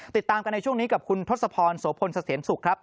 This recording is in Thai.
ติดตามกันในช่วงนี้กับคุณทศพรโสพลเสถียรสุขครับ